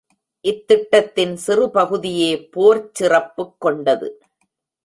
இத்திட்டத்தின் சிறு பகுதியே போர்ச் சிறப்புக் கொண்டது.